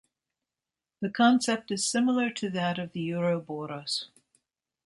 The concept is similar to that of the Ouroboros.